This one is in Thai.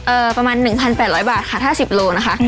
อือประมาณ๑๘๐๐บาทค่ะกรรม๑๕โลนะคะ